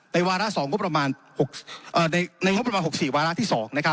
ในวาราสองก็ประมาณ๖๔วาราที่๒